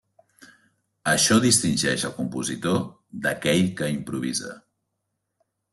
Això distingeix el compositor d'aquell que improvisa.